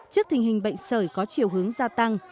trước tình hình bệnh sởi có chiều hướng gia tăng